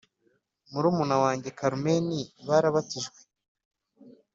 murumuna wanjye Carmen barabatijwe